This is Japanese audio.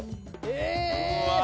え！